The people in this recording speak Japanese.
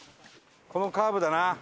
このカーブだな。